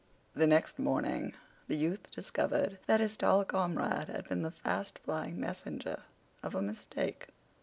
The next morning the youth discovered that his tall comrade had been the fast flying messenger of a mistake.